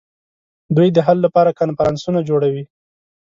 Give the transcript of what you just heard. دوی د حل لپاره کنفرانسونه جوړوي